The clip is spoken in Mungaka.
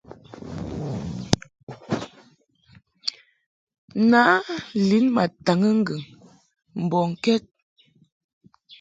Nǎ lin ma taŋɨ ŋgɨŋ mbɔŋkɛd.